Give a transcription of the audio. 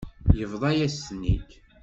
Yebḍa-yas-ten-id.